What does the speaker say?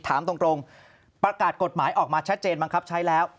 ถามตรงประกาศกฎหมายออกมาชัดเจนบังคับใช้แล้ว